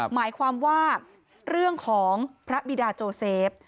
หมายความว่าเรื่องของพระบิดาโจเซฟ